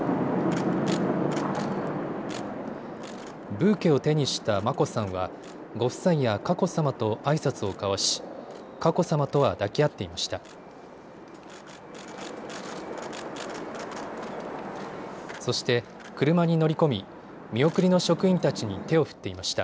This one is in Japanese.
ブーケを手にした眞子さんはご夫妻や佳子さまとあいさつを交わし佳子さまとは抱き合っていました。